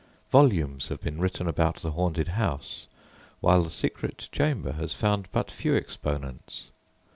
Volumes have been written about the haunted house, while the secret chamber has found but few exponents.